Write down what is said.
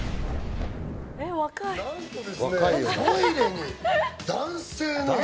若い！